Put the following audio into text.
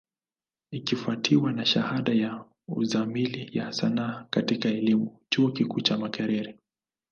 Ikifwatiwa na shahada ya Uzamili ya Sanaa katika elimu, chuo kikuu cha Makerere.